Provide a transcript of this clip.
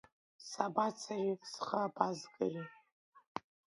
Сабацари, схы абазгари?